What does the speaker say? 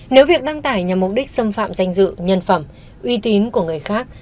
nếu việc đăng tải nhằm mục đích xâm phạm danh dự nhân phẩm uy tín của người khác